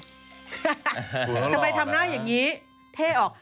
หัวหลอกนะทำไมทำหน้าอย่างนี้เท่ออก